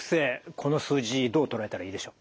この数字どう捉えたらいいでしょう？